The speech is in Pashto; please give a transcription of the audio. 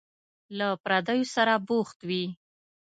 له پردیو سره بوخت وي.